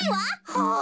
はあ。